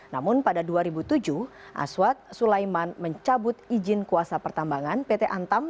namun pada dua ribu tujuh aswad sulaiman mencabut izin kuasa pertambangan pt antam